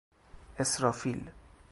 اِسرافیل